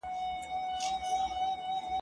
تعليم یافته مور د ماشوم لپاره ښه نمونه ده.